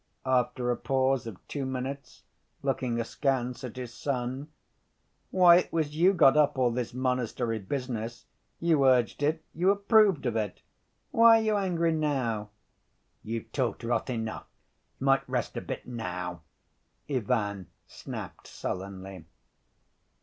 After a pause of two minutes, looking askance at his son, "Why, it was you got up all this monastery business. You urged it, you approved of it. Why are you angry now?" "You've talked rot enough. You might rest a bit now," Ivan snapped sullenly.